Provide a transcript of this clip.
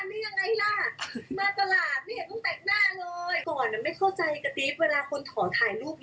บอกว่าตัวจริงทำไมไม่เห็นสวยมาในยูทูปเลย